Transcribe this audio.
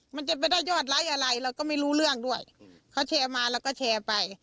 มันจะไปได้ยอดไลค์อะไรเราก็ไม่รู้เรื่องด้วยเขาแชร์มาเราก็แชร์ไป